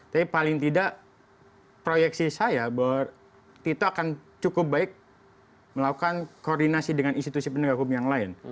tapi paling tidak proyeksi saya bahwa tito akan cukup baik melakukan koordinasi dengan institusi penegak hukum yang lain